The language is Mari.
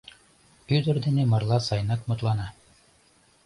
Ӱдыр дене марла сайынак мутлана.